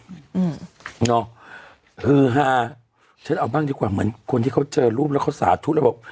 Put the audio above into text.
อืมเนอะฮือฮาฉันเอาบ้างดีกว่าเหมือนคนที่เขาเจอรูปแล้วเขาสาธุแล้วบอก